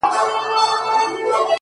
• چي بد ګرځي بد به پرځي ,